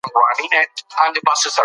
تاسو کولی شئ په خپله سیمه کې بدلون راولئ.